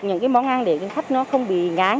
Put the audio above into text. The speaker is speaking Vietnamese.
những món ăn để khách không bị ngán